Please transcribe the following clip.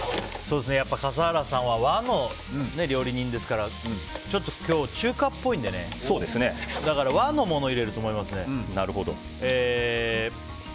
笠原さんは和の料理人ですからちょっと今日、中華っぽいのでねだから和のものを入れると思いますね。